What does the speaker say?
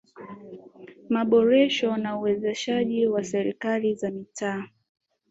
Maboresho na uwezeshaji wa serikali za mitaa